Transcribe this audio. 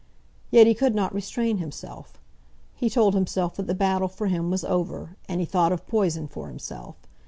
Yet he could not restrain himself. He told himself that the battle for him was over, and he thought of poison for himself.